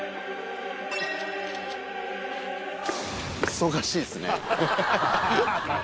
忙しいですね。